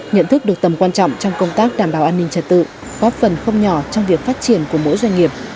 nhận thức được tầm quan trọng trong công tác đảm bảo an ninh trật tự góp phần không nhỏ trong việc phát triển của mỗi doanh nghiệp